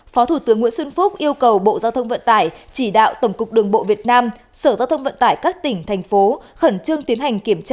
phó thủ tướng nguyễn xuân phúc yêu cầu bộ giao thông vận tải chỉ đạo tổng cục đường bộ việt nam sở giao thông vận tải các tỉnh thành phố khẩn trương tiến hành kiểm tra